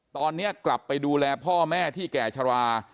ตอนนี้กลับไปดูแลพ่อแม่ที่แก่ชรา